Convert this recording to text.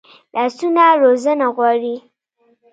لاسونه روزنه غواړي